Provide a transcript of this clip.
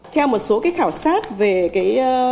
theo một số chính sách các doanh nghiệp đã đưa ra một số chính sách